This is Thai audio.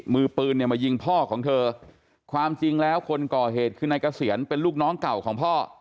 มือปืนเนี่ยมายิงพ่อของเธอความจริงแล้วคนก่อเหตุคือนายเกษียณเป็นลูกน้องเก่าของพ่อ